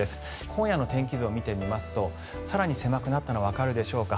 今夜の天気図を見てみますと更に狭くなったのがわかるでしょうか。